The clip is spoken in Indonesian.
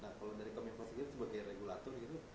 nah kalau dari komitmen sekitar itu sebagai regulator gitu